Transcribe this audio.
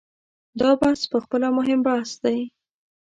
دا بحث په خپله مهم بحث دی.